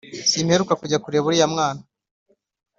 Simeruka kujya kureba uriya mwana